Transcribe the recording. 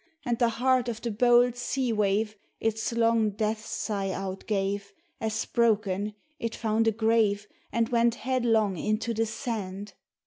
And the heart of the bold sea wave Its long death sigh out gave As broken it found a grave And went headlong into the sand.